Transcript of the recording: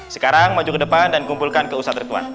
sekarang maju ke depan dan kumpulkan ke ustadz ritwan